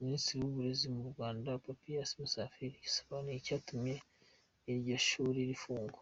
Minisitiri w’ uburezi mu Rwanda Papias Musafiri yasobanuye icyatumye iryo shuri rifungwa.